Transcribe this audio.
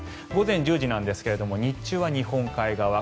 午前１０時なんですが日中は日本海側。